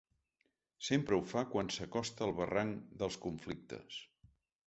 Sempre ho fa quan s'acosta al barranc dels conflictes.